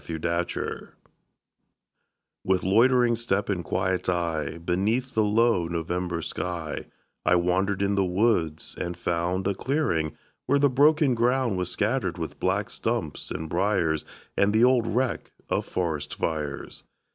IN NOVEMBER With loitering step and quiet eye, Beneath the low November sky, I wandered in the woods, and found A clearing, where the broken ground Was scattered with black stumps and briers, And the old wreck of forest fires.